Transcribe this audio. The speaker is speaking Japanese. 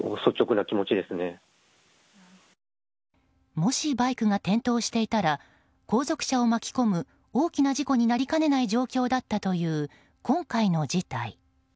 もしバイクが転倒していたら後続車を巻き込む大きな事故になりかねない状況だったという今回の事態。